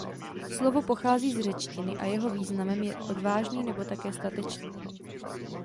Slovo pochází z řečtiny a jeho významem je odvážný nebo také statečný.